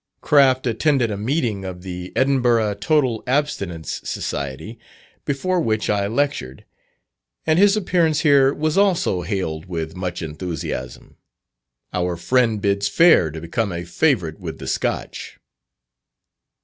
Craft attended a meeting of the Edinburgh Total Abstinence Society, before which I lectured, and his appearance here was also hailed with much enthusiasm. Our friend bids fair to become a favourite with the Scotch.